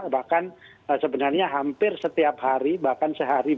bahkan sebenarnya hampir setiap hari bahkan sehari